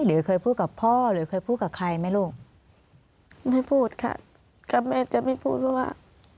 หรือเคยพูดกับพ่อหรือเคยพูดกับใครไหมลูกไม่พูดค่ะก็แม่จะไม่พูดเพราะว่า